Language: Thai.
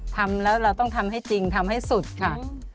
ทำแล้วเราต้องทำให้จริงทำให้สุดค่ะ